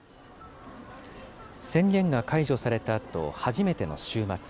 宣言が解除されたあと初めての週末。